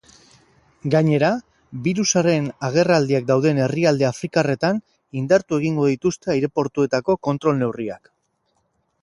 Gainera, birusaren agerraldiak dauden herrialde afrikarretan indartu egingo dituzte aireportuetako kontrol neurriak.